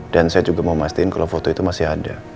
dan saya juga mau mastiin kalau foto itu masih ada